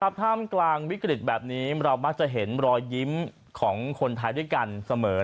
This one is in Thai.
ท่ามกลางวิกฤตแบบนี้เรามักจะเห็นรอยยิ้มของคนไทยด้วยกันเสมอ